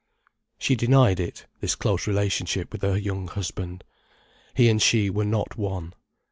She denied it, this close relationship with her young husband. He and she were not one.